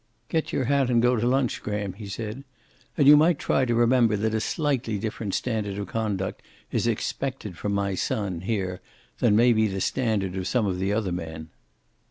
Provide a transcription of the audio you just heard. "Get your hat and go to lunch, Graham," he said. "And you might try to remember that a slightly different standard of conduct is expected from my son, here, than may be the standard of some of the other men."